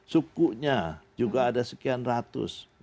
sukunya juga ada sekian ratus